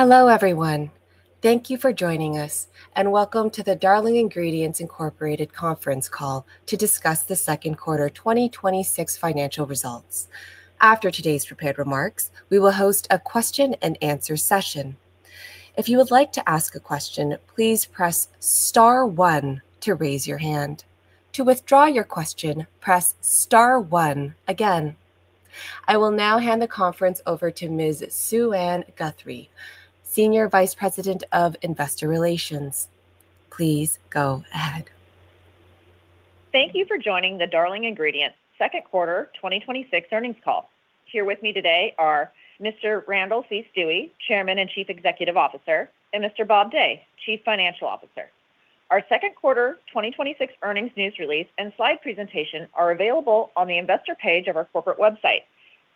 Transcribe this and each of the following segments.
Hello, everyone. Thank you for joining us, and welcome to the Darling Ingredients Inc. conference call to discuss the second quarter 2026 financial results. After today's prepared remarks, we will host a question-and-answer session. If you would like to ask a question, please press star one to raise your hand. To withdraw your question, press star one again. I will now hand the conference over to Ms. Suann Guthrie, Senior Vice President of Investor Relations. Please go ahead. Thank you for joining the Darling Ingredients second quarter 2026 earnings call. Here with me today are Mr. Randall C. Stuewe, Chairman and Chief Executive Officer, and Mr. Bob Day, Chief Financial Officer. Our second quarter 2026 earnings news release and slide presentation are available on the investor page of our corporate website,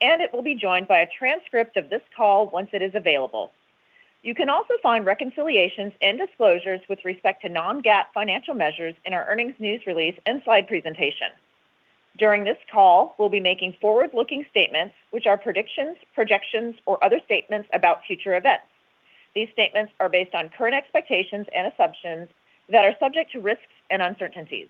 and it will be joined by a transcript of this call once it is available. You can also find reconciliations and disclosures with respect to non-GAAP financial measures in our earnings news release and slide presentation. During this call, we will be making forward-looking statements, which are predictions, projections, or other statements about future events. These statements are based on current expectations and assumptions that are subject to risks and uncertainties.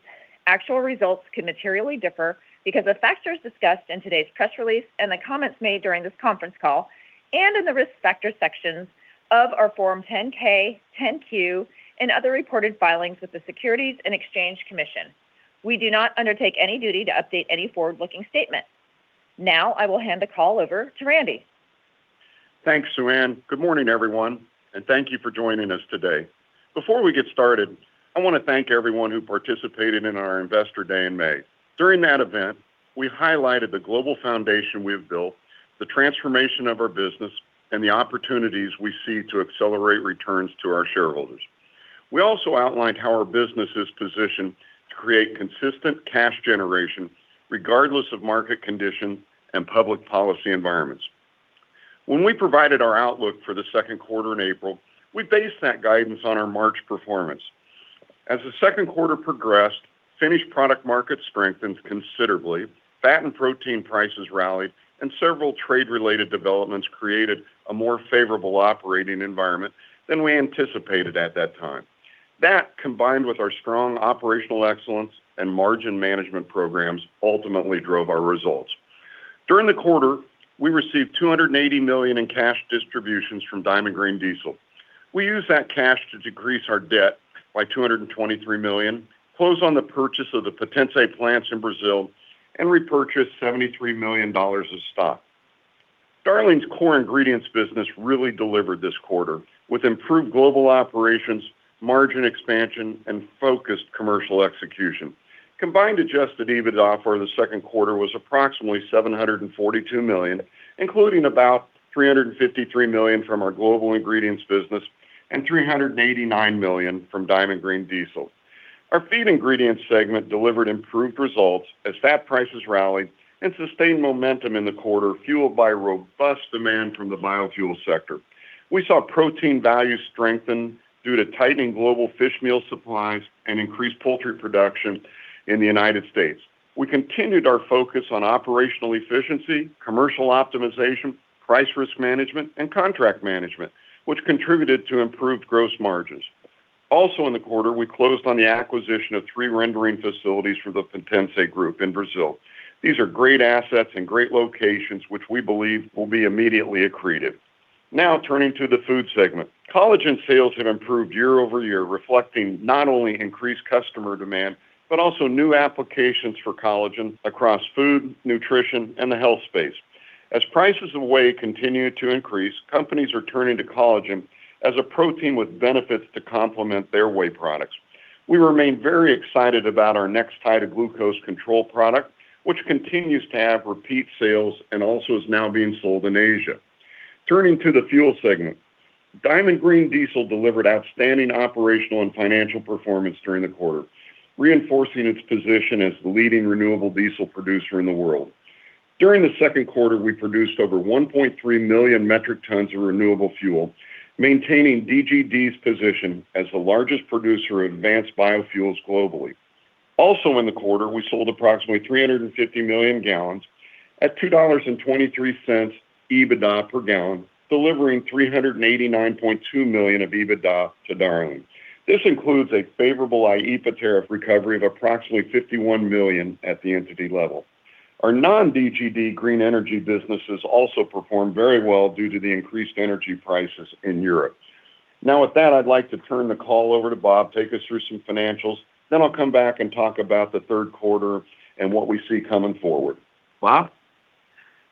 Actual results could materially differ because of factors discussed in today's press release and the comments made during this conference call, and in the Risk Factors sections of our Form 10-K, Form 10-Q, and other reported filings with the Securities and Exchange Commission. We do not undertake any duty to update any forward-looking statement. Now, I will hand the call over to Randy. Thanks, Suann. Good morning, everyone, and thank you for joining us today. Before we get started, I want to thank everyone who participated in our Investor Day in May. During that event, we highlighted the global foundation we have built, the transformation of our business, and the opportunities we see to accelerate returns to our shareholders. We also outlined how our business is positioned to create consistent cash generation regardless of market condition and public policy environments. When we provided our outlook for the second quarter in April, we based that guidance on our March performance. As the second quarter progressed, finished product markets strengthened considerably, fat and protein prices rallied, and several trade-related developments created a more favorable operating environment than we anticipated at that time. That, combined with our strong operational excellence and margin management programs, ultimately drove our results. During the quarter, we received $280 million in cash distributions from Diamond Green Diesel. We used that cash to decrease our debt by $223 million, close on the purchase of the Potenze plants in Brazil, and repurchase $73 million of stock. Darling's core ingredients business really delivered this quarter, with improved global operations, margin expansion, and focused commercial execution. Combined adjusted EBITDA for the second quarter was approximately $742 million, including about $353 million from our global ingredients business and $389 million from Diamond Green Diesel. Our Feed Ingredients segment delivered improved results as fat prices rallied and sustained momentum in the quarter, fueled by robust demand from the biofuel sector. We saw protein value strengthen due to tightening global fish meal supplies and increased poultry production in the U.S. We continued our focus on operational efficiency, commercial optimization, price risk management, and contract management, which contributed to improved gross margins. In the quarter, we closed on the acquisition of three rendering facilities for the Potenze Group in Brazil. These are great assets and great locations, which we believe will be immediately accretive. Turning to the Food segment. Collagen sales have improved year-over-year, reflecting not only increased customer demand, but also new applications for collagen across food, nutrition, and the health space. As prices of whey continue to increase, companies are turning to collagen as a protein with benefits to complement their whey products. We remain very excited about our next high glucose control product, which continues to have repeat sales and also is now being sold in Asia. Turning to the Fuel segment. Diamond Green Diesel delivered outstanding operational and financial performance during the quarter, reinforcing its position as the leading renewable diesel producer in the world. During the second quarter, we produced over 1.3 million metric tons of renewable fuel, maintaining DGD's position as the largest producer of advanced biofuels globally. In the quarter, we sold approximately 350 million gallons at $2.23 EBITDA per gallon, delivering $389.2 million of EBITDA to Darling. This includes a favorable IEEPA tariff recovery of approximately $51 million at the entity level. Our non-DGD green energy businesses also performed very well due to the increased energy prices in Europe. With that, I'd like to turn the call over to Bob, take us through some financials. I'll come back and talk about the third quarter and what we see coming forward. Bob?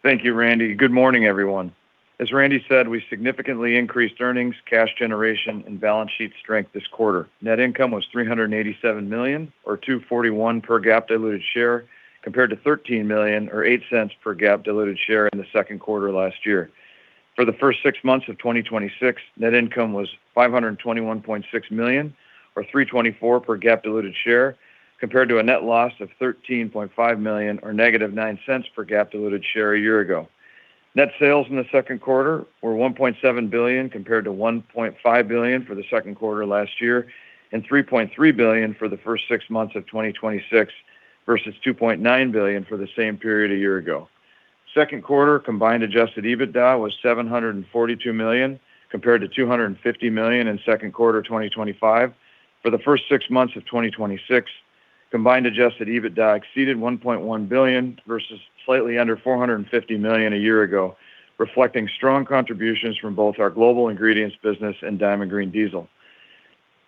Thank you, Randy. Good morning, everyone. As Randy said, we significantly increased earnings, cash generation, and balance sheet strength this quarter. Net income was $387 million, or $2.41 per GAAP diluted share, compared to $13 million, or $0.08 per GAAP diluted share in the second quarter last year. For the first six months of 2026, net income was $521.6 million, or $3.24 per GAAP diluted share, compared to a net loss of $13.5 million, or negative $0.09 per GAAP diluted share a year ago. Net sales in the second quarter were $1.7 billion, compared to $1.5 billion for the second quarter last year, and $3.3 billion for the first six months of 2026 versus $2.9 billion for the same period a year ago. Second quarter combined adjusted EBITDA was $742 million, compared to $250 million in second quarter 2025. For the first six months of 2026, combined adjusted EBITDA exceeded $1.1 billion versus slightly under $450 million a year ago, reflecting strong contributions from both our global ingredients business and Diamond Green Diesel.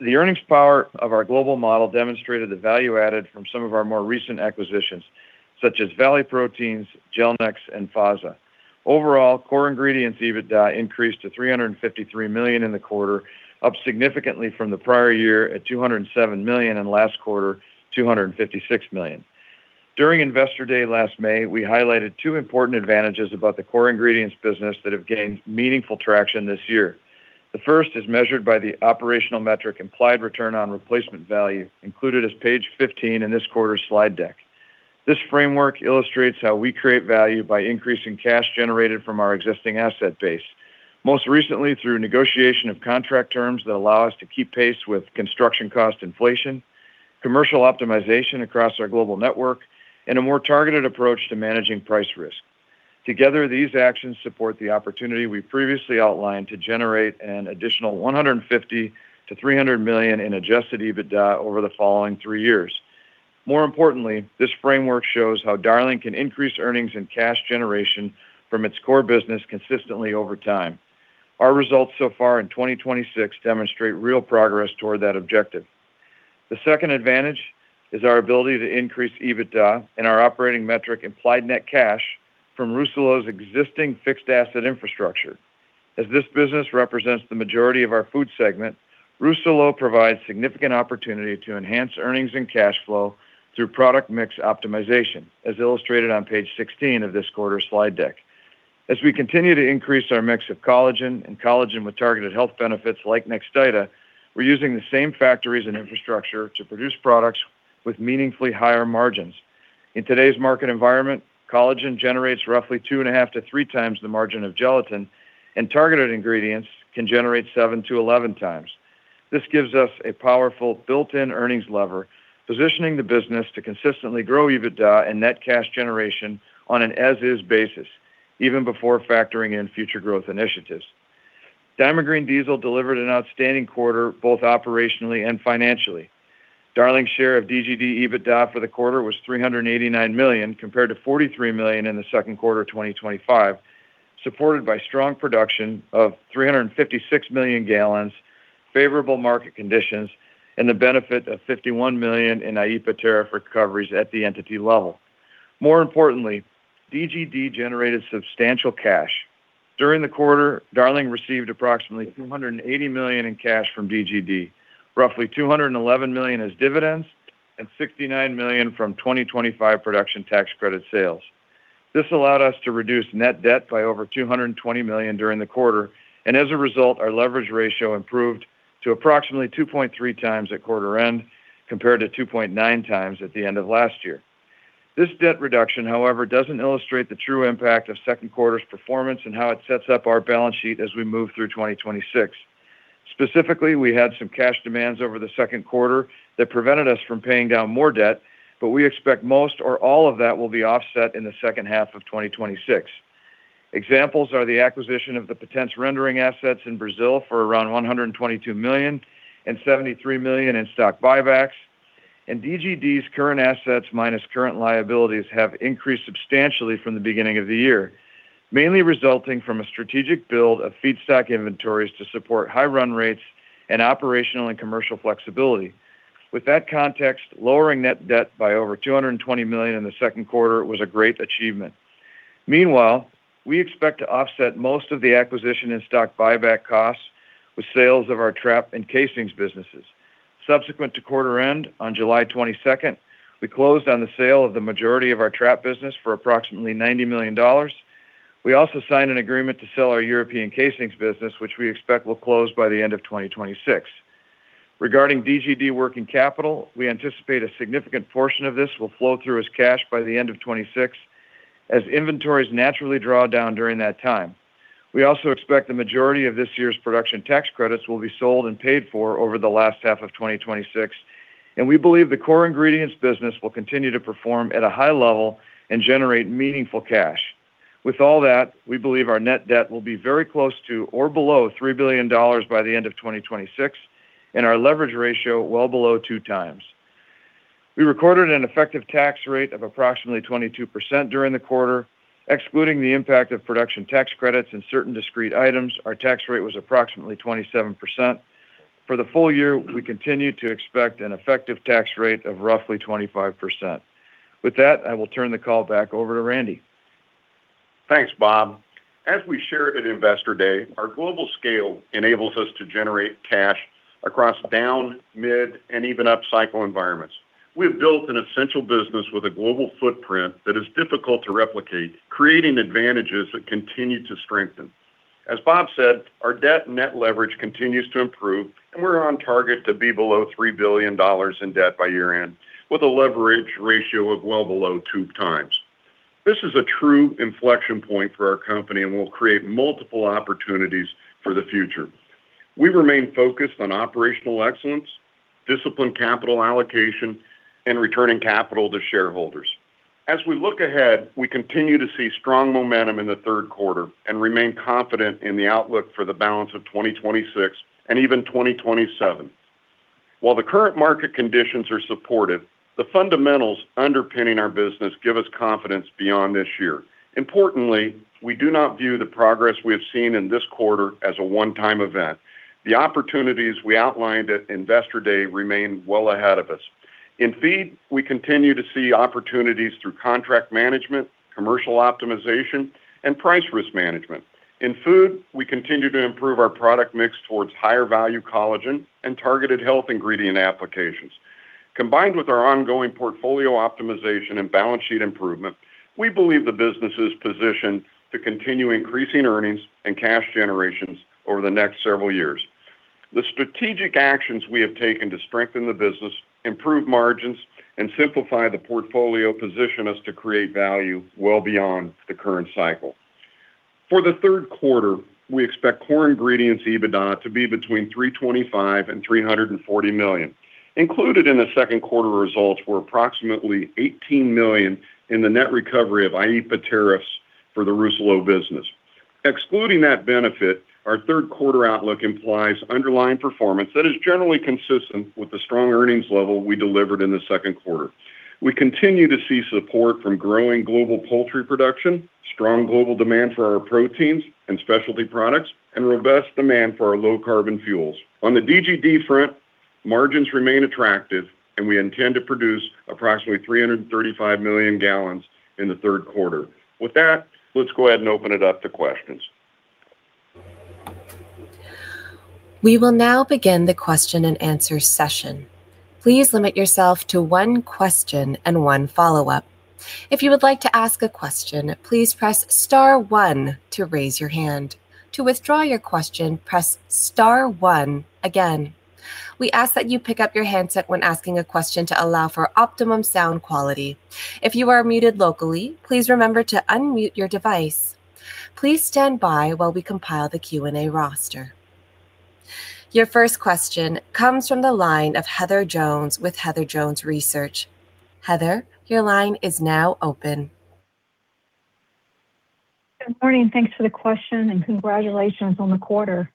The earnings power of our global model demonstrated the value added from some of our more recent acquisitions, such as Valley Proteins, Gelnex, and FASA. Overall, core ingredients EBITDA increased to $353 million in the quarter, up significantly from the prior year at $207 million and last quarter, $256 million. During Investor Day last May, we highlighted two important advantages about the core ingredients business that have gained meaningful traction this year. The first is measured by the operational metric implied return on replacement value, included as page 15 in this quarter's slide deck. This framework illustrates how we create value by increasing cash generated from our existing asset base. Most recently through negotiation of contract terms that allow us to keep pace with construction cost inflation, commercial optimization across our global network, and a more targeted approach to managing price risk. Together, these actions support the opportunity we previously outlined to generate an additional $150 million-$300 million in adjusted EBITDA over the following three years. More importantly, this framework shows how Darling can increase earnings and cash generation from its core business consistently over time. Our results so far in 2026 demonstrate real progress toward that objective. The second advantage is our ability to increase EBITDA and our operating metric implied net cash from Rousselot's existing fixed asset infrastructure. As this business represents the majority of our Food segment, Rousselot provides significant opportunity to enhance earnings and cash flow through product mix optimization, as illustrated on page 16 of this quarter's slide deck. As we continue to increase our mix of collagen and collagen with targeted health benefits like Nextida, we're using the same factories and infrastructure to produce products with meaningfully higher margins. In today's market environment, collagen generates roughly 2.5x to 3x the margin of gelatin, and targeted ingredients can generate 7x to 11x. This gives us a powerful built-in earnings lever, positioning the business to consistently grow EBITDA and net cash generation on an as is basis, even before factoring in future growth initiatives. Diamond Green Diesel delivered an outstanding quarter both operationally and financially. Darling's share of DGD EBITDA for the quarter was $389 million compared to $43 million in the second quarter of 2025, supported by strong production of 356 million gallons, favorable market conditions, and the benefit of $51 million in IEEPA tariff recoveries at the entity level. More importantly, DGD generated substantial cash. During the quarter, Darling received approximately $280 million in cash from DGD, roughly $211 million as dividends and $69 million from 2025 production tax credit sales. This allowed us to reduce net debt by over $220 million during the quarter. As a result, our leverage ratio improved to approximately 2.3x at quarter end, compared to 2.9x at the end of last year. This debt reduction, however, doesn't illustrate the true impact of second quarter's performance and how it sets up our balance sheet as we move through 2026. Specifically, we had some cash demands over the second quarter that prevented us from paying down more debt. We expect most or all of that will be offset in the second half of 2026. Examples are the acquisition of the Potenze rendering assets in Brazil for around $122 million and $73 million in stock buybacks, and DGD's current assets minus current liabilities have increased substantially from the beginning of the year. Mainly resulting from a strategic build of feedstock inventories to support high run rates and operational and commercial flexibility. With that context, lowering net debt by over $220 million in the second quarter was a great achievement. Meanwhile, we expect to offset most of the acquisition and stock buyback costs with sales of our trap and casings businesses. Subsequent to quarter end on July 22nd, we closed on the sale of the majority of our trap business for approximately $90 million. We also signed an agreement to sell our European casings business, which we expect will close by the end of 2026. Regarding DGD working capital, we anticipate a significant portion of this will flow through as cash by the end of 2026 as inventories naturally draw down during that time. We also expect the majority of this year's Production Tax Credits will be sold and paid for over the last half of 2026, and we believe the core ingredients business will continue to perform at a high level and generate meaningful cash. With all that, we believe our net debt will be very close to or below $3 billion by the end of 2026, and our leverage ratio well below 2x. We recorded an effective tax rate of approximately 22% during the quarter. Excluding the impact of Production Tax Credits and certain discrete items, our tax rate was approximately 27%. For the full year, we continue to expect an effective tax rate of roughly 25%. With that, I will turn the call back over to Randy. Thanks, Bob. As we shared at Investor Day, our global scale enables us to generate cash across down, mid, and even up cycle environments. We've built an essential business with a global footprint that is difficult to replicate, creating advantages that continue to strengthen. As Bob said, our debt net leverage continues to improve, and we're on target to be below $3 billion in debt by year-end with a leverage ratio of well below 2x. This is a true inflection point for our company, and will create multiple opportunities for the future. We remain focused on operational excellence, disciplined capital allocation, and returning capital to shareholders. As we look ahead, we continue to see strong momentum in the third quarter and remain confident in the outlook for the balance of 2026 and even 2027. While the current market conditions are supportive, the fundamentals underpinning our business give us confidence beyond this year. Importantly, we do not view the progress we have seen in this quarter as a one-time event. The opportunities we outlined at Investor Day remain well ahead of us. In feed, we continue to see opportunities through contract management, commercial optimization, and price risk management. In food, we continue to improve our product mix towards higher value collagen and targeted health ingredient applications. Combined with our ongoing portfolio optimization and balance sheet improvement, we believe the business is positioned to continue increasing earnings and cash generations over the next several years. The strategic actions we have taken to strengthen the business, improve margins, and simplify the portfolio position is to create value well beyond the current cycle. For the third quarter, we expect Core Ingredients EBITDA to be between $325 million and $340 million. Included in the second quarter results were approximately $18 million in the net recovery of IEEPA tariffs for the Rousselot business. Excluding that benefit, our third quarter outlook implies underlying performance that is generally consistent with the strong earnings level we delivered in the second quarter. We continue to see support from growing global poultry production, strong global demand for our proteins and specialty products, and robust demand for our low-carbon fuels. On the DGD front, margins remain attractive, and we intend to produce approximately 335 million gallons in the third quarter. With that, let's go ahead and open it up to questions. We will now begin the question-and-answer session. Please limit yourself to one question and one follow-up. If you would like to ask a question, please press star one to raise your hand. To withdraw your question, press star one again. We ask that you pick up your handset when asking a question to allow for optimum sound quality. If you are muted locally, please remember to unmute your device. Please stand by while we compile the Q&A roster. Your first question comes from the line of Heather Jones with Heather Jones Research. Heather, your line is now open. Good morning. Thanks for the question, and congratulations on the quarter.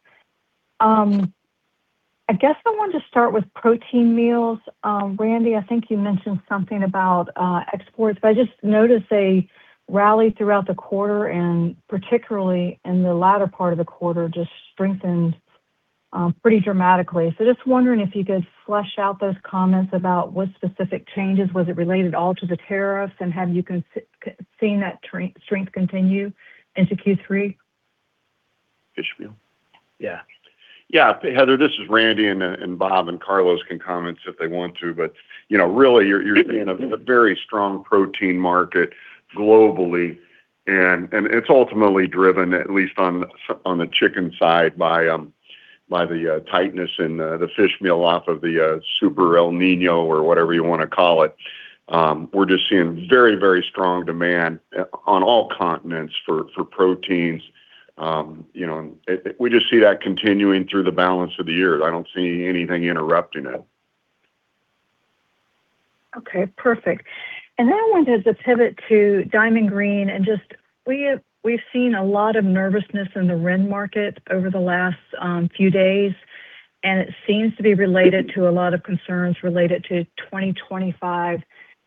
I guess I wanted to start with protein meals. Randy, I think you mentioned something about exports. I just noticed a rally throughout the quarter, and particularly in the latter part of the quarter, just strengthened pretty dramatically. Just wondering if you could flesh out those comments about what specific changes. Was it related all to the tariffs, and have you seen that strength continue into Q3? Fish meal? Yeah. Yeah. Heather, this is Randy, Bob and Carlos can comment if they want to. Really, you're in a very strong protein market globally, and it's ultimately driven, at least on the chicken side, by the tightness in the fish meal off of the Super El Niño or whatever you want to call it. We're just seeing very strong demand on all continents for proteins. We just see that continuing through the balance of the year. I don't see anything interrupting it. Okay, perfect. Then I wanted to pivot to Diamond Green, and just we've seen a lot of nervousness in the RIN market over the last few days, and it seems to be related to a lot of concerns related to 2025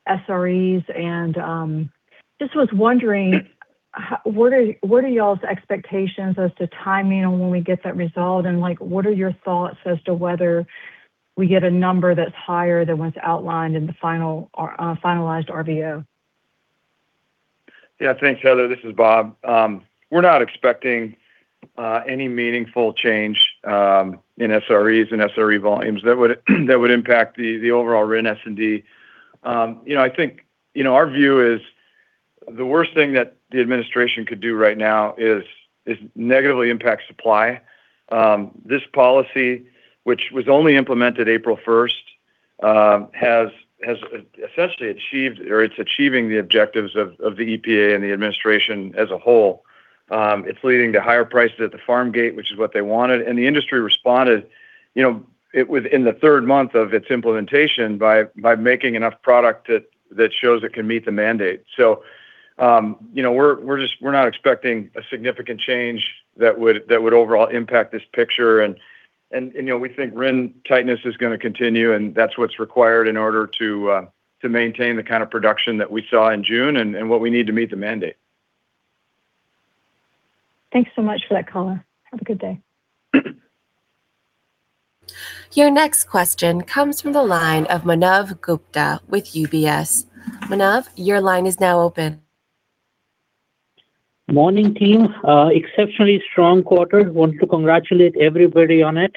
SREs. Just was wondering, what are y'all's expectations as to timing on when we get that result, and what are your thoughts as to whether we get a number that's higher than what's outlined in the finalized RVO? Yeah. Thanks, Heather. This is Bob. We're not expecting any meaningful change in SREs and SRE volumes that would impact the overall RIN S&D. I think our view is the worst thing that the administration could do right now is negatively impact supply. This policy, which was only implemented April 1st, has essentially achieved or it's achieving the objectives of the EPA and the administration as a whole. It's leading to higher prices at the farm gate, which is what they wanted. The industry responded within the third month of its implementation by making enough product that shows it can meet the mandate. We're not expecting a significant change that would overall impact this picture. We think RIN tightness is going to continue, and that's what's required in order to maintain the kind of production that we saw in June and what we need to meet the mandate. Thanks so much for that call. Have a good day. Your next question comes from the line of Manav Gupta with UBS. Manav, your line is now open. Morning, team. Exceptionally strong quarter. Want to congratulate everybody on it.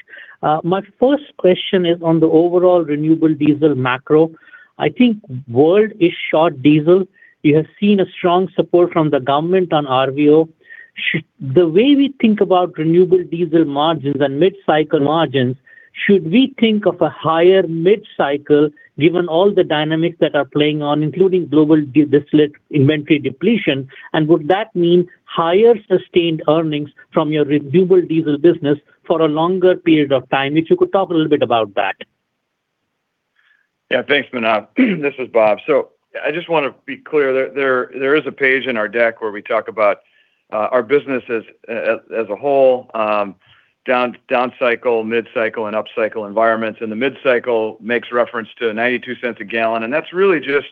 My first question is on the overall renewable diesel macro. I think world is short diesel. You have seen a strong support from the government on RVO. The way we think about renewable diesel margins and mid-cycle margins. Should we think of a higher mid-cycle given all the dynamics that are playing on, including global distillate inventory depletion? Would that mean higher sustained earnings from your renewable diesel business for a longer period of time? If you could talk a little bit about that. Yeah. Thanks, Manav. This is Bob. I just want to be clear there is a page in our deck where we talk about our business as a whole, down cycle, mid-cycle and up cycle environments. The mid-cycle makes reference to $0.92 a gallon. That's really just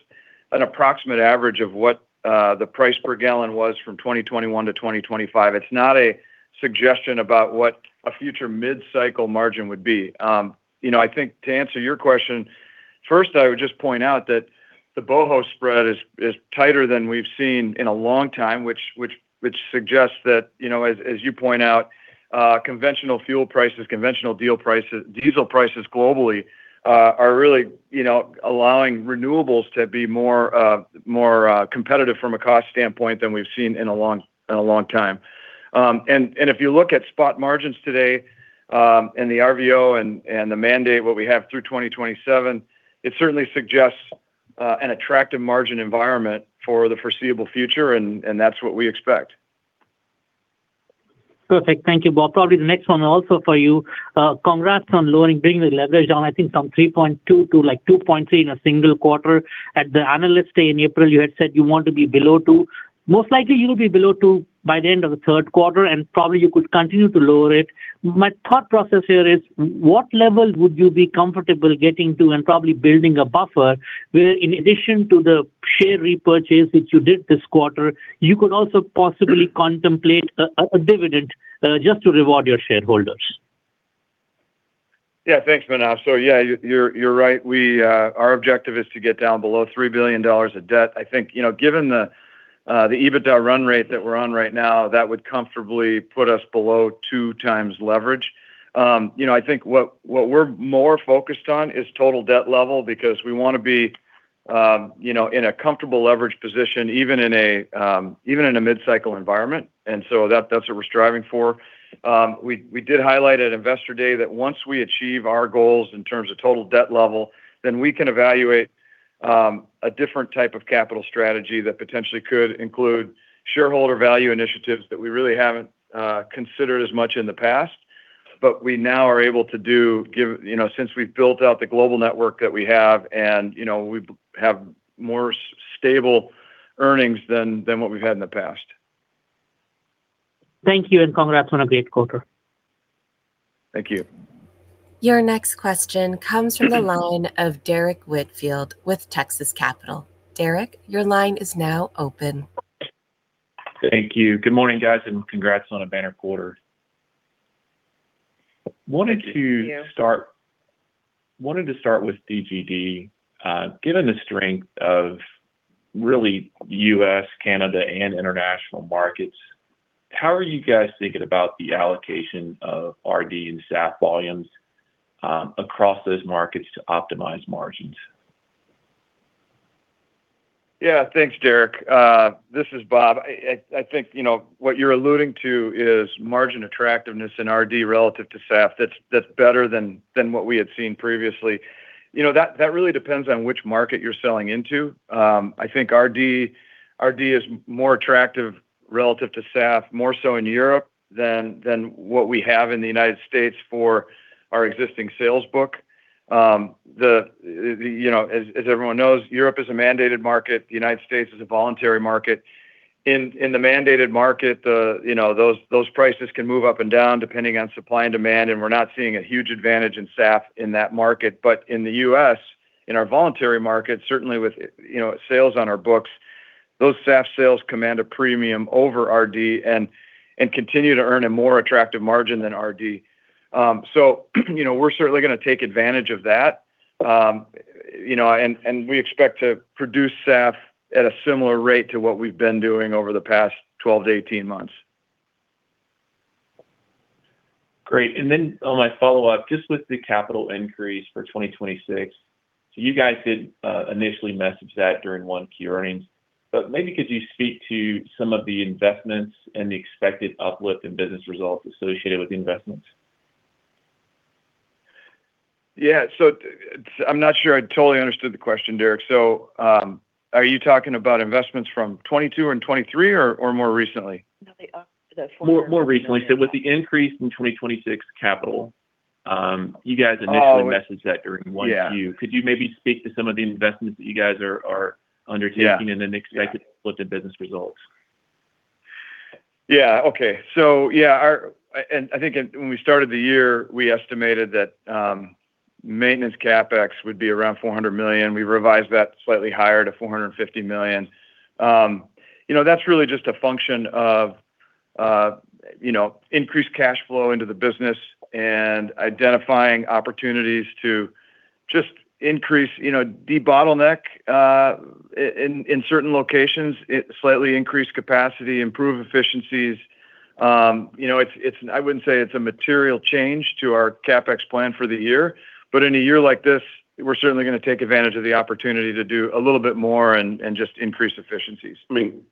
an approximate average of what the price per gallon was from 2021 to 2025. It's not a suggestion about what a future mid-cycle margin would be. I think to answer your question, first I would just point out that the BOHO spread is tighter than we've seen in a long time, which suggests that, as you point out, conventional fuel prices, conventional diesel prices globally are really allowing renewables to be more competitive from a cost standpoint than we've seen in a long time. If you look at spot margins today and the RVO and the mandate, what we have through 2027, it certainly suggests an attractive margin environment for the foreseeable future, and that's what we expect. Perfect. Thank you, Bob. Probably the next one also for you. Congrats on bringing the leverage down, I think from 3.2 to 2.3 in a single quarter. At the Analyst Day in April, you had said you want to be below two. Probably you could continue to lower it. My thought process here is, what level would you be comfortable getting to and probably building a buffer where, in addition to the share repurchase that you did this quarter, you could also possibly contemplate a dividend just to reward your shareholders? Yeah, thanks, Manav. Yeah, you're right. Our objective is to get down below $3 billion of debt. I think, given the EBITDA run rate that we're on right now, that would comfortably put us below 2x leverage. I think what we're more focused on is total debt level because we want to be in a comfortable leverage position even in a mid-cycle environment. That's what we're striving for. We did highlight at Investor Day that once we achieve our goals in terms of total debt level, then we can evaluate a different type of capital strategy that potentially could include shareholder value initiatives that we really haven't considered as much in the past. We now are able to do, since we've built out the global network that we have and we have more stable earnings than what we've had in the past. Thank you. Congrats on a great quarter. Thank you. Your next question comes from the line of Derrick Whitfield with Texas Capital. Derrick, your line is now open. Thank you. Good morning, guys, congrats on a banner quarter. Thank you. Wanted to start with DGD. Given the strength of really U.S., Canada, and international markets, how are you guys thinking about the allocation of RD and SAF volumes across those markets to optimize margins? Thanks, Derrick. This is Bob. I think what you're alluding to is margin attractiveness in RD relative to SAF that's better than what we had seen previously. That really depends on which market you're selling into. I think RD is more attractive relative to SAF more so in Europe than what we have in the U.S. for our existing sales book. As everyone knows, Europe is a mandated market. The U.S. is a voluntary market. In the mandated market, those prices can move up and down depending on supply and demand, and we're not seeing a huge advantage in SAF in that market. In the U.S., in our voluntary market, certainly with sales on our books, those SAF sales command a premium over RD and continue to earn a more attractive margin than RD. We're certainly going to take advantage of that. We expect to produce SAF at a similar rate to what we've been doing over the past 12 to 18 months. Great. On my follow-up, just with the capital increase for 2026. You guys did initially message that during one Q earnings, maybe could you speak to some of the investments and the expected uplift in business results associated with the investments? Yeah. I'm not sure I totally understood the question, Derrick. Are you talking about investments from 22 and 23 or more recently? No, the four-year More recently. With the increase in 2026 capital, you guys initially messaged that during 1Q. Oh, yeah. Could you maybe speak to some of the investments that you guys are undertaking? Yeah The expected uplift in business results? Yeah. Okay. Yeah, I think when we started the year, we estimated that maintenance CapEx would be around $400 million. We revised that slightly higher to $450 million. That's really just a function of increased cash flow into the business and identifying opportunities to just increase, debottleneck in certain locations, slightly increase capacity, improve efficiencies. I wouldn't say it's a material change to our CapEx plan for the year, but in a year like this, we're certainly going to take advantage of the opportunity to do a little bit more and just increase efficiencies. I mean,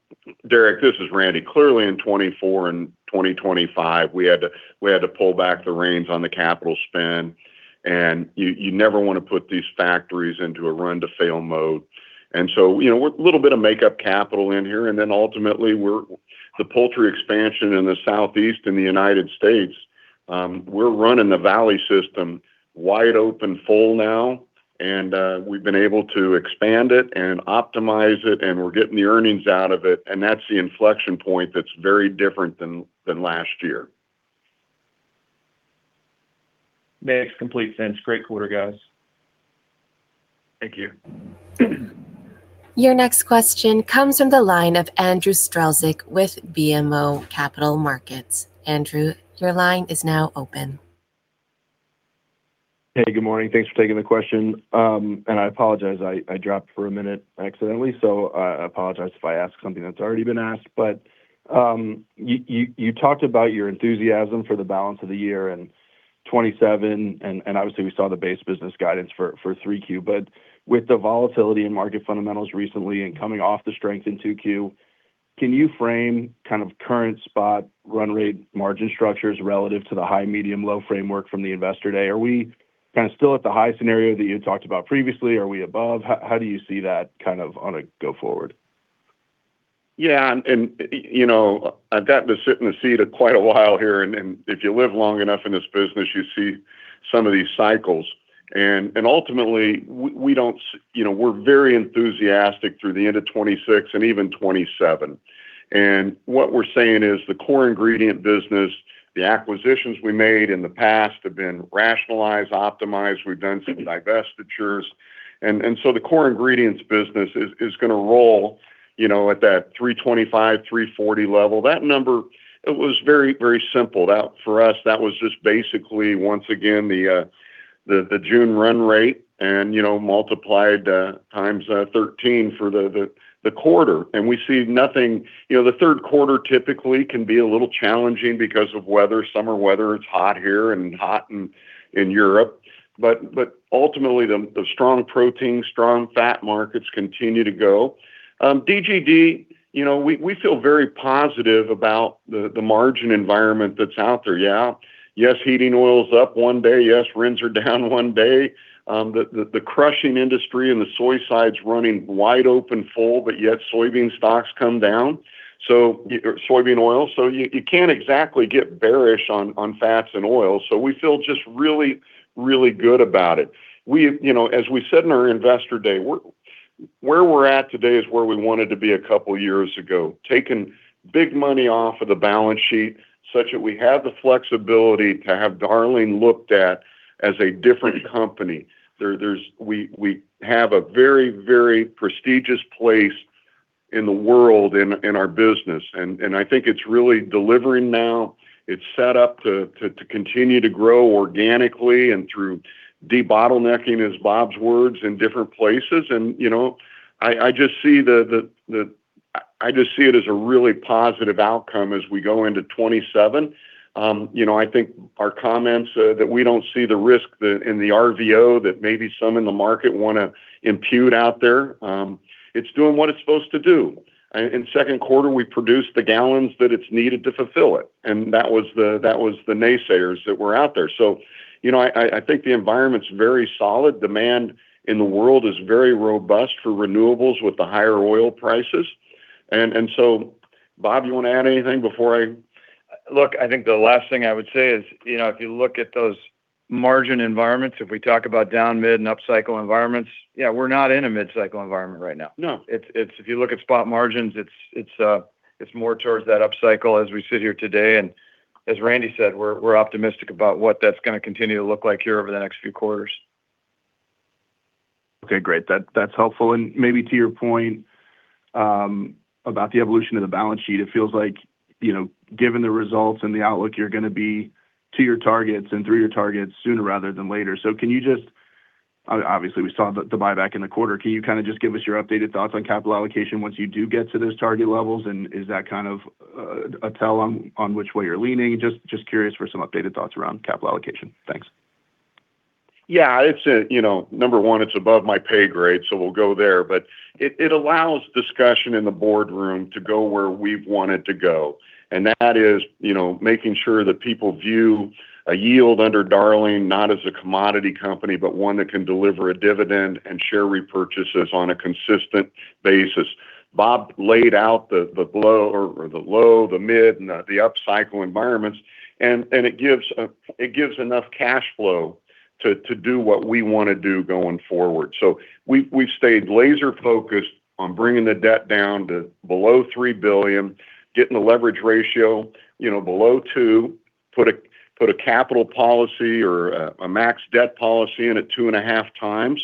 Derrick, this is Randy. Clearly in 2024 and 2025, we had to pull back the reins on the capital spend, you never want to put these factories into a run-to-fail mode A little bit of make-up capital in here, then ultimately, the poultry expansion in the Southeast and the U.S., we're running the Valley system wide open full now, and we've been able to expand it and optimize it, and we're getting the earnings out of it, and that's the inflection point that's very different than last year. Makes complete sense. Great quarter, guys. Thank you. Your next question comes from the line of Andrew Strelzik with BMO Capital Markets. Andrew, your line is now open. Good morning. Thanks for taking the question. I apologize, I dropped for a minute accidentally, so I apologize if I ask something that's already been asked. You talked about your enthusiasm for the balance of the year in 2027, and obviously we saw the base business guidance for 3Q. With the volatility in market fundamentals recently and coming off the strength in 2Q, can you frame kind of current spot run rate margin structures relative to the high, medium, low framework from the Investor Day? Are we kind of still at the high scenario that you had talked about previously? Are we above? How do you see that kind of on a go forward? Yeah, I've got to sit in the seat quite a while here, and if you live long enough in this business, you see some of these cycles. Ultimately, we're very enthusiastic through the end of 2026 and even 2027. What we're saying is the core ingredient business, the acquisitions we made in the past have been rationalized, optimized. We've done some divestitures. So the core ingredients business is going to roll at that 325, 340 level. That number, it was very simple. For us, that was just basically, once again, the June run rate and multiplied times 13 for the quarter. We see nothing. The third quarter typically can be a little challenging because of weather. Summer weather, it's hot here and hot in Europe. Ultimately, the strong protein, strong fat markets continue to go. DGD, we feel very positive about the margin environment that's out there, yeah. Yes, heating oil's up one day. Yes, RINs are down one day. The crushing industry and the soy side's running wide open full, yet soybean stocks come down. Soybean oil. You can't exactly get bearish on fats and oils. We feel just really, really good about it. As we said in our Investor Day, where we're at today is where we wanted to be a couple of years ago, taking big money off of the balance sheet such that we have the flexibility to have Darling looked at as a different company. We have a very, very prestigious place in the world in our business, and I think it's really delivering now. It's set up to continue to grow organically and through de-bottlenecking, as Bob's words, in different places. I just see it as a really positive outcome as we go into 2027. I think our comments that we don't see the risk in the RVO that maybe some in the market want to impute out there. It's doing what it's supposed to do. In second quarter, we produced the gallons that it's needed to fulfill it, and that was the naysayers that were out there. I think the environment's very solid. Demand in the world is very robust for renewables with the higher oil prices. Bob, you want to add anything before I Look, I think the last thing I would say is, if you look at those margin environments, if we talk about down, mid, and upcycle environments, yeah, we're not in a midcycle environment right now. No. If you look at spot margins, it's more towards that upcycle as we sit here today. As Randy said, we're optimistic about what that's going to continue to look like here over the next few quarters. Okay, great. That's helpful. Maybe to your point about the evolution of the balance sheet, it feels like given the results and the outlook, you're going to be to your targets and through your targets sooner rather than later. Obviously, we saw the buyback in the quarter. Can you kind of just give us your updated thoughts on capital allocation once you do get to those target levels? Is that kind of a tell on which way you're leaning? Just curious for some updated thoughts around capital allocation. Thanks. Yeah. Number one, it's above my pay grade, so we'll go there. It allows discussion in the boardroom to go where we've wanted to go. That is making sure that people view a yield under Darling not as a commodity company, but one that can deliver a dividend and share repurchases on a consistent basis. Bob laid out the low, the mid, and the upcycle environments, and it gives enough cash flow to do what we want to do going forward. We've stayed laser-focused on bringing the debt down to below $3 billion, getting the leverage ratio below two, put a capital policy or a max debt policy in at 2.5x.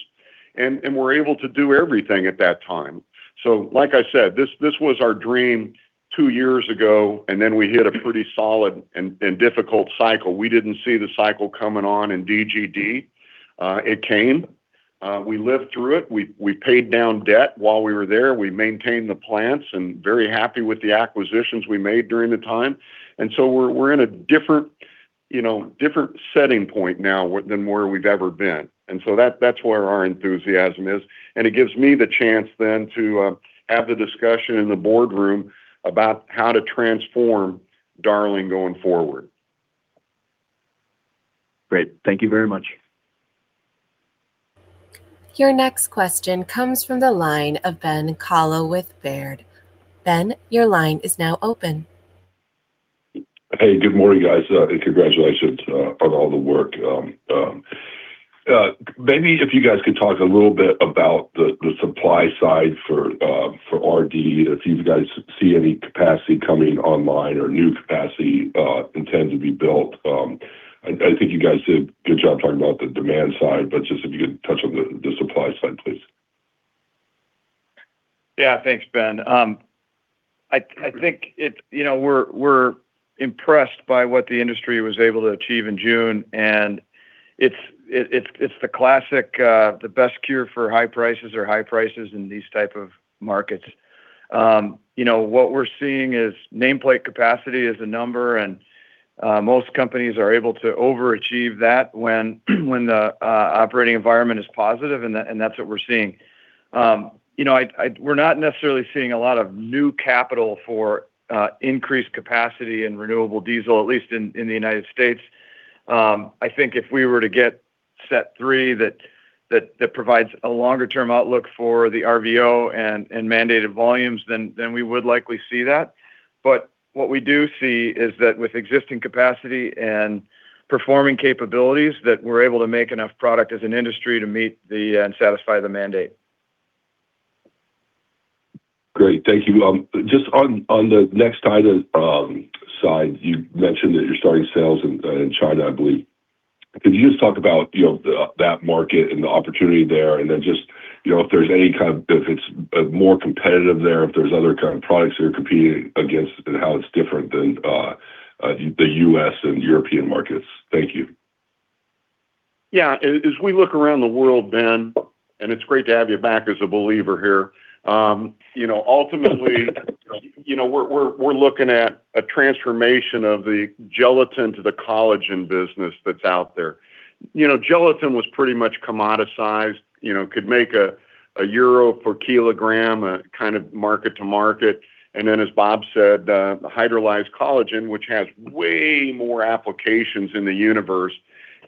We're able to do everything at that time. Like I said, this was our dream two years ago, then we hit a pretty solid and difficult cycle. We didn't see the cycle coming on in DGD. It came. We lived through it. We paid down debt while we were there. We maintained the plants and very happy with the acquisitions we made during the time. We're in a different setting point now than where we've ever been. That's where our enthusiasm is. It gives me the chance then to have the discussion in the boardroom about how to transform Darling going forward. Great. Thank you very much. Your next question comes from the line of Ben Kallo with Baird. Ben, your line is now open. Hey, good morning, guys, congratulations on all the work. Maybe if you guys could talk a little bit about the supply side for RD, if you guys see any capacity coming online or new capacity intended to be built. I think you guys did a good job talking about the demand side, just if you could touch on the supply side, please. Thanks, Ben. I think we're impressed by what the industry was able to achieve in June, and it's the classic, the best cure for high prices are high prices in these type of markets. What we're seeing is nameplate capacity is a number, and most companies are able to overachieve that when the operating environment is positive, and that's what we're seeing. We're not necessarily seeing a lot of new capital for increased capacity in renewable diesel, at least in the U.S. I think if we were to get Set 2 that provides a longer-term outlook for the RVO and mandated volumes, then we would likely see that. What we do see is that with existing capacity and performing capabilities, that we're able to make enough product as an industry to meet and satisfy the mandate. Great. Thank you. Just on the Nextida side, you mentioned that you're starting sales in China, I believe. Could you just talk about that market and the opportunity there and then just if it's more competitive there, if there's other kind of products that you're competing against and how it's different than the U.S. and European markets. Thank you. As we look around the world, Ben, it's great to have you back as a believer here. We're looking at a transformation of the gelatin to the collagen business that's out there. Gelatin was pretty much commoditized, could make a EUR per kilogram, kind of market to market. As Bob said, hydrolyzed collagen, which has way more applications in the universe,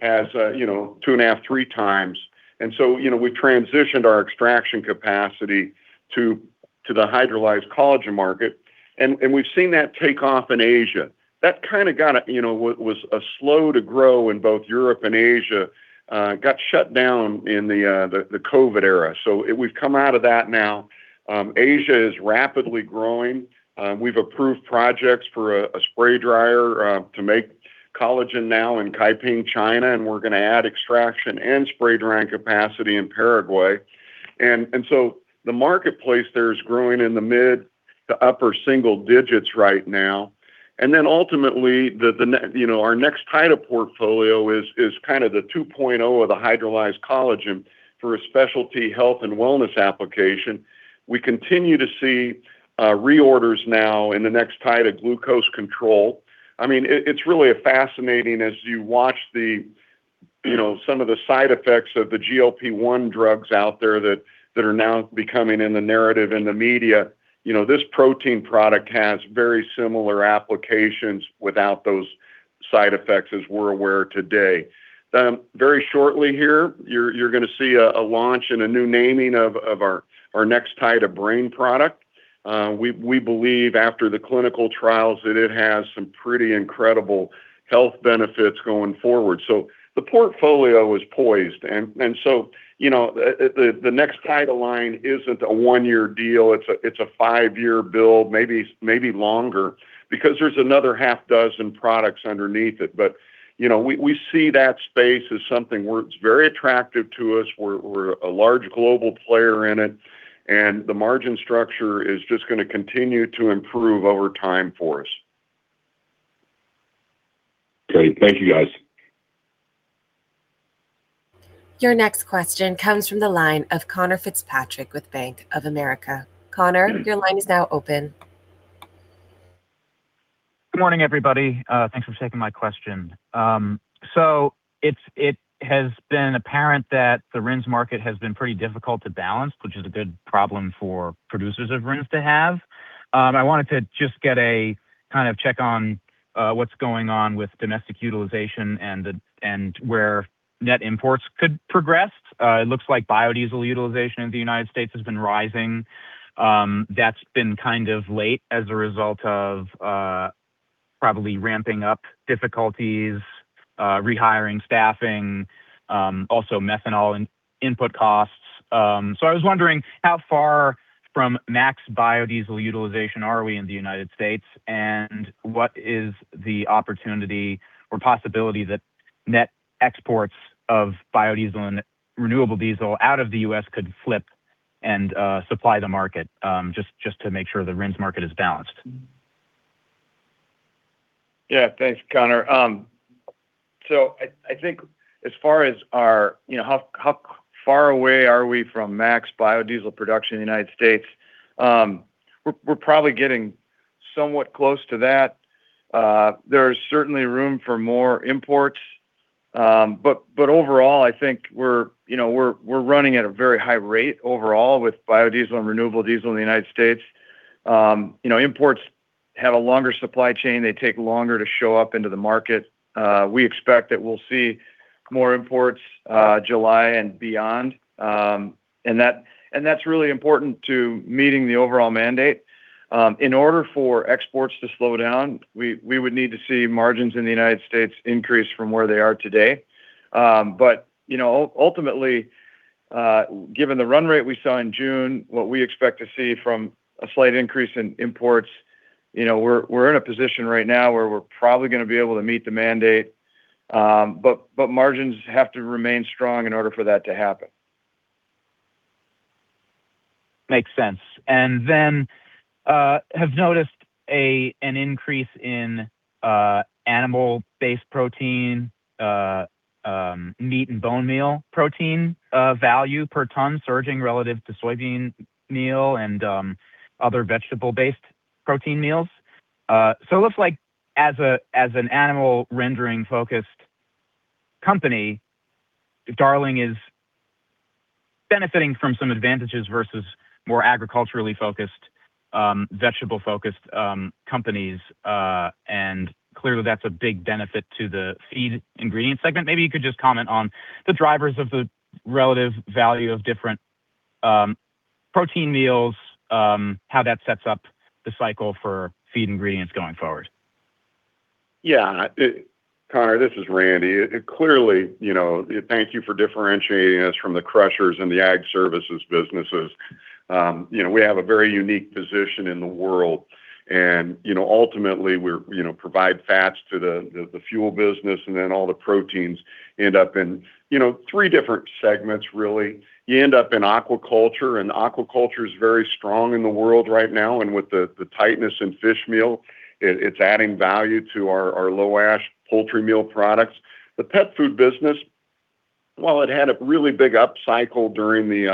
has 2.5x, 3x. We transitioned our extraction capacity to the hydrolyzed collagen market, and we've seen that take off in Asia. That kind of was slow to grow in both Europe and Asia, got shut down in the COVID era. We've come out of that now. Asia is rapidly growing. We've approved projects for a spray dryer to make collagen now in Kaiping, China, and we're going to add extraction and spray drying capacity in Paraguay. The marketplace there is growing in the mid to upper single digits right now. Ultimately, our Nextida portfolio is kind of the 2.0 of the hydrolyzed collagen for a specialty health and wellness application. We continue to see reorders now in the Nextida glucose control. It's really fascinating as you watch some of the side effects of the GLP-1 drugs out there that are now becoming in the narrative in the media. This protein product has very similar applications without those side effects as we're aware today. Very shortly here, you're going to see a launch and a new naming of our Nextida Brain product. We believe, after the clinical trials, that it has some pretty incredible health benefits going forward. The portfolio is poised, the Nextida line isn't a one-year deal. It's a five-year build, maybe longer, because there's another half dozen products underneath it. We see that space as something where it's very attractive to us. We're a large global player in it, the margin structure is just going to continue to improve over time for us. Great. Thank you, guys. Your next question comes from the line of Conor Fitzpatrick with Bank of America. Conor, your line is now open. Good morning, everybody. Thanks for taking my question. It has been apparent that the RINs market has been pretty difficult to balance, which is a good problem for producers of RINs to have. I wanted to just get a kind of check on what's going on with domestic utilization and where net imports could progress. It looks like biodiesel utilization in the United States has been rising. That's been kind of late as a result of probably ramping up difficulties, rehiring staffing, also methanol and input costs. I was wondering how far from max biodiesel utilization are we in the United States, and what is the opportunity or possibility that net exports of biodiesel and renewable diesel out of the U.S. could flip and supply the market, just to make sure the RINs market is balanced? Thanks, Conor. I think as far as how far away are we from max biodiesel production in the United States? We're probably getting somewhat close to that. There's certainly room for more imports. Overall, I think we're running at a very high rate overall with biodiesel and renewable diesel in the United States. Imports have a longer supply chain. They take longer to show up into the market. We expect that we'll see more imports July and beyond, and that's really important to meeting the overall mandate. In order for exports to slow down, we would need to see margins in the United States increase from where they are today. Ultimately, given the run rate we saw in June, what we expect to see from a slight increase in imports, we're in a position right now where we're probably going to be able to meet the mandate. Margins have to remain strong in order for that to happen. Makes sense. Then, have noticed an increase in animal-based protein, meat and bone meal protein value per ton surging relative to soybean meal and other vegetable-based protein meals. It looks like as an animal rendering-focused company, Darling is benefiting from some advantages versus more agriculturally-focused, vegetable-focused companies. Clearly that's a big benefit to the Feed Ingredient segment. Maybe you could just comment on the drivers of the relative value of different protein meals, how that sets up the cycle for feed ingredients going forward. Conor, this is Randy. Thank you for differentiating us from the crushers and the ag services businesses. We have a very unique position in the world, ultimately we provide fats to the fuel business, then all the proteins end up in three different segments, really. You end up in aquaculture's very strong in the world right now. With the tightness in fish meal, it's adding value to our low ash poultry meal products. The pet food business, while it had a really big up cycle during the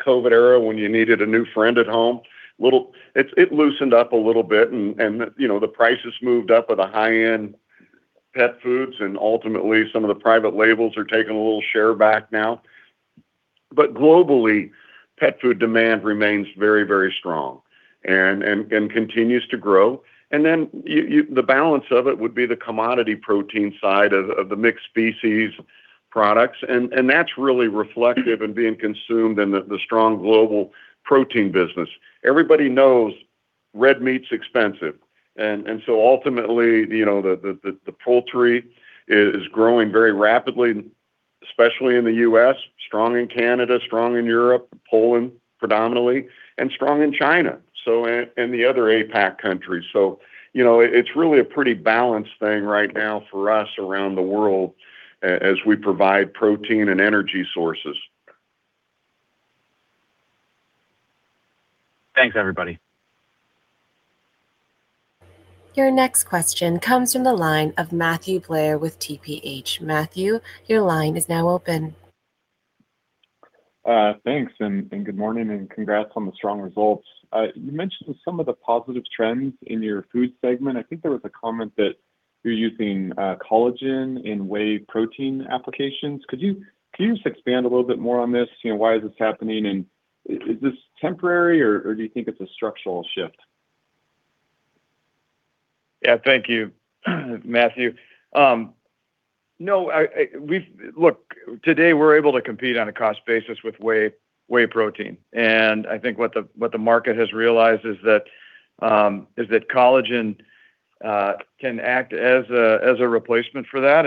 COVID era when you needed a new friend at home, it loosened up a little bit, the prices moved up at the high-end pet foods, ultimately some of the private labels are taking a little share back now. Globally, pet food demand remains very strong, continues to grow. The balance of it would be the commodity protein side of the mixed species products, that's really reflective and being consumed in the strong global protein business. Everybody knows red meat's expensive, ultimately, the poultry is growing very rapidly, especially in the U.S. Strong in Canada, strong in Europe, Poland predominantly, and strong in China, and the other APAC countries. It's really a pretty balanced thing right now for us around the world as we provide protein and energy sources. Thanks, everybody. Your next question comes from the line of Matthew Blair with TPH. Matthew, your line is now open. Thanks, good morning, congrats on the strong results. You mentioned some of the positive trends in your food segment. I think there was a comment that you're using collagen in whey protein applications. Could you just expand a little bit more on this? Why is this happening, is this temporary, or do you think it's a structural shift? Thank you, Matthew. Look, today we're able to compete on a cost basis with whey protein. I think what the market has realized is that collagen can act as a replacement for that,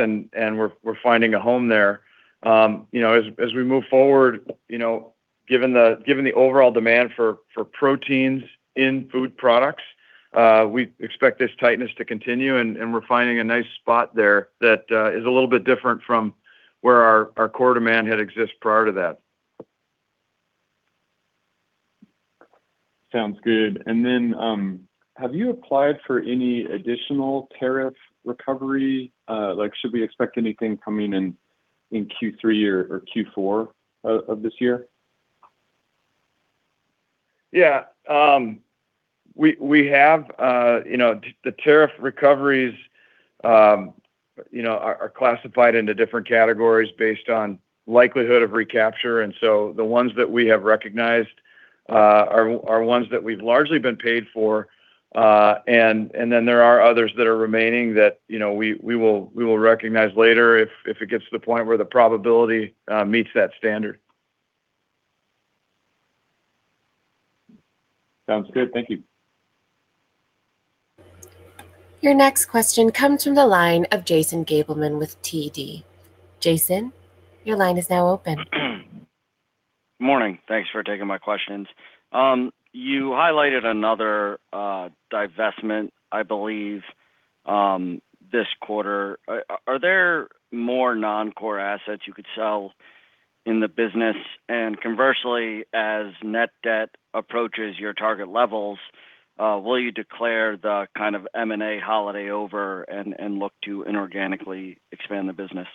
we're finding a home there. We move forward, given the overall demand for proteins in food products, we expect this tightness to continue, we're finding a nice spot there that is a little bit different from where our core demand had existed prior to that. Sounds good. Have you applied for any additional tariff recovery? Should we expect anything coming in Q3 or Q4 of this year? The tariff recoveries are classified into different categories based on likelihood of recapture, the ones that we have recognized are ones that we've largely been paid for. There are others that are remaining that we will recognize later if it gets to the point where the probability meets that standard. Sounds good. Thank you. Your next question comes from the line of Jason Gabelman with TD. Jason, your line is now open. Morning. Thanks for taking my questions. You highlighted another divestment, I believe, this quarter. Are there more non-core assets you could sell in the business? Conversely, as net debt approaches your target levels, will you declare the M&A holiday over and look to inorganically expand the business?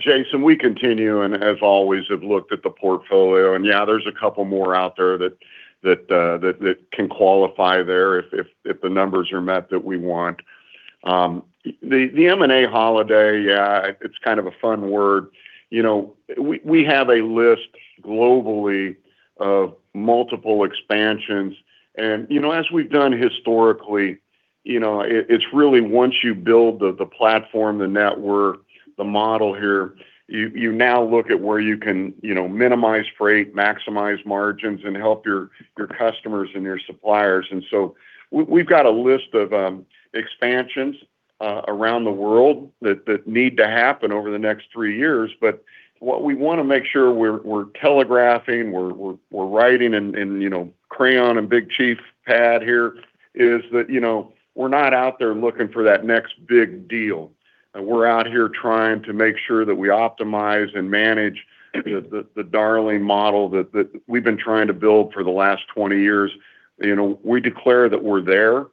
Jason, we continue, and as always, have looked at the portfolio. There's a couple more out there that can qualify there if the numbers are met that we want. The M&A holiday, it's kind of a fun word. We have a list globally of multiple expansions. As we've done historically, it's really once you build the platform, the network, the model here, you now look at where you can minimize freight, maximize margins, and help your customers and your suppliers. We've got a list of expansions around the world that need to happen over the next three years, what we want to make sure we're telegraphing, we're writing in crayon and big chief pad here is that we're not out there looking for that next big deal. We're out here trying to make sure that we optimize and manage the Darling model that we've been trying to build for the last 20 years. We declare that we're there.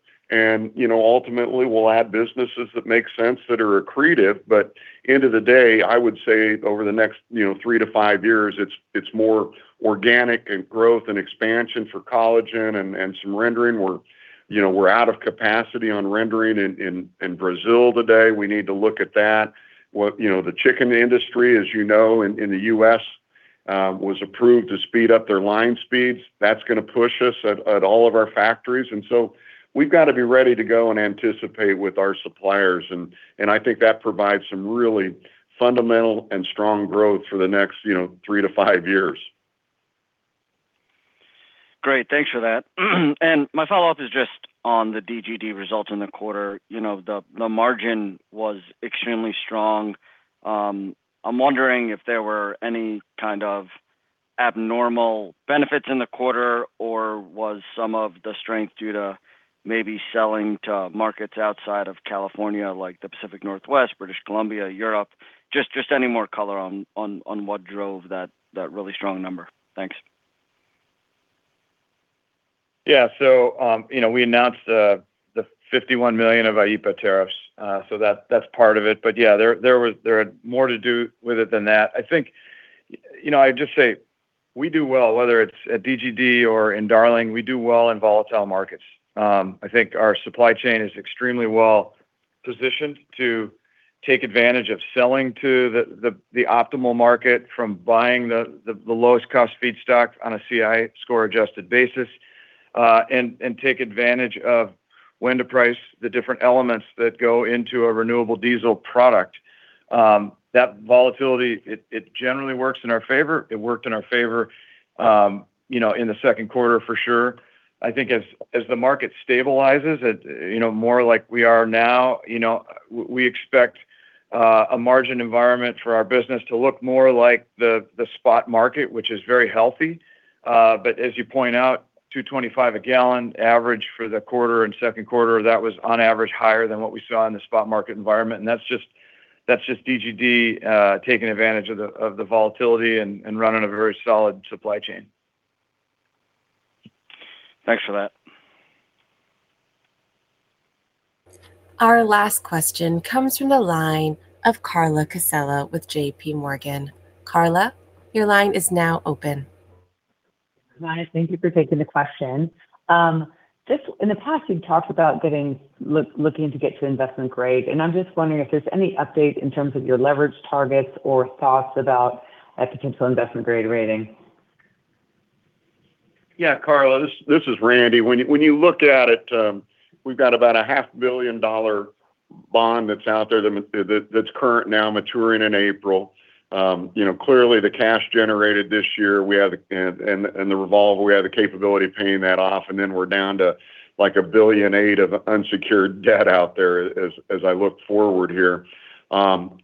Ultimately we'll add businesses that make sense, that are accretive, end of the day, I would say over the next three to five years, it's more organic and growth and expansion for collagen and some rendering. We're out of capacity on rendering in Brazil today. We need to look at that. The chicken industry, as you know, in the U.S., was approved to speed up their line speeds. That's going to push us at all of our factories, so we've got to be ready to go and anticipate with our suppliers. I think that provides some really fundamental and strong growth for the next three to five years. Great. Thanks for that. My follow-up is just on the DGD results in the quarter. The margin was extremely strong. I'm wondering if there were any kind of abnormal benefits in the quarter, or was some of the strength due to maybe selling to markets outside of California, like the Pacific Northwest, British Columbia, Europe? Just any more color on what drove that really strong number. Thanks. Yeah. We announced the $51 million of IEEPA tariffs, that's part of it. Yeah, there had more to do with it than that. I think, I'd just say we do well, whether it's at DGD or in Darling, we do well in volatile markets. I think our supply chain is extremely well-positioned to take advantage of selling to the optimal market, from buying the lowest cost feedstock on a CI score-adjusted basis, and take advantage of when to price the different elements that go into a renewable diesel product. That volatility, it generally works in our favor. It worked in our favor in the second quarter for sure. I think as the market stabilizes, more like we are now, we expect a margin environment for our business to look more like the spot market, which is very healthy. As you point out, $2.25 a gallon average for the quarter and second quarter, that was on average higher than what we saw in the spot market environment, and that's just DGD taking advantage of the volatility and running a very solid supply chain. Thanks for that. Our last question comes from the line of Carla Casella with JPMorgan. Carla, your line is now open. Hi, thank you for taking the question. In the past, you've talked about looking to get to investment grade, I'm just wondering if there's any update in terms of your leverage targets or thoughts about a potential investment-grade rating. Yeah, Carla, this is Randy. When you look at it, we've got about a half-billion dollar bond that's out there that's current now, maturing in April. Clearly the cash generated this year and the revolve, we have the capability of paying that off, then we're down to like $1.8 billion of unsecured debt out there as I look forward here. One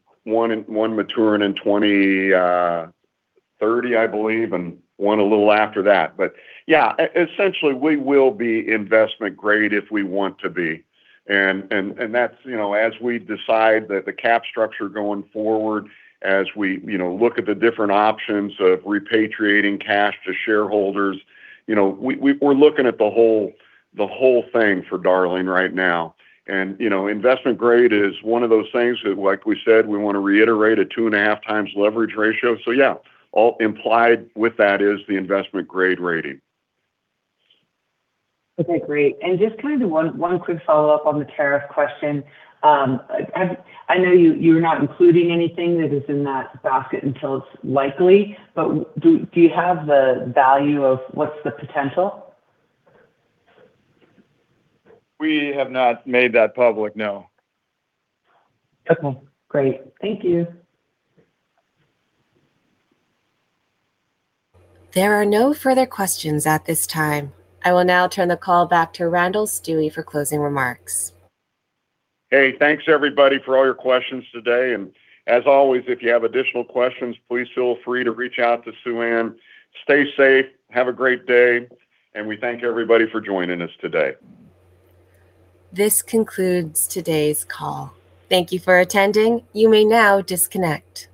maturing in 2030, I believe, and one a little after that. Yeah, essentially we will be investment grade if we want to be. As we decide that the cap structure going forward, as we look at the different options of repatriating cash to shareholders, we're looking at the whole thing for Darling right now. Investment grade is one of those things that, like we said, we want to reiterate a 2.5x leverage ratio. Yeah, implied with that is the investment grade rating. Okay, great. Just kind of one quick follow-up on the tariff question. I know you're not including anything that is in that basket until it's likely, but do you have the value of what's the potential? We have not made that public, no. Okay, great. Thank you. There are no further questions at this time. I will now turn the call back to Randall Stuewe for closing remarks. Hey, thanks everybody for all your questions today. As always, if you have additional questions, please feel free to reach out to Suann. Stay safe, have a great day, and we thank everybody for joining us today. This concludes today's call. Thank you for attending. You may now disconnect.